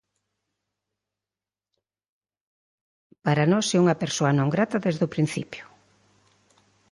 Para nós é unha persoa 'non grata' desde o principio.